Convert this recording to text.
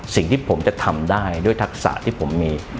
สิ่งที่ผมจะทำได้ด้วยทักษะที่ผมมี